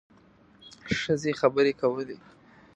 ښځې خبرې کولې.